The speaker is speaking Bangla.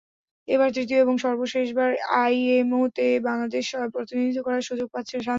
এবার তৃতীয় এবং সর্বশেষবার আইএমওতে বাংলাদেশের প্রতিনিধিত্ব করার সুযোগ পাচ্ছে সানজিদ।